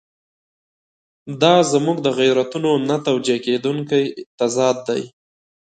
دا زموږ د غیرتونو نه توجیه کېدونکی تضاد دی.